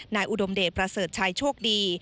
นายอุดมเดชน์ประเสริฐชายโชคดี